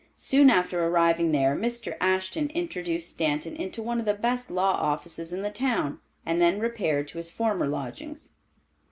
Soon after arriving there, Mr. Ashton introduced Stanton into one of the best law offices in the town, and then repaired to his former lodgings.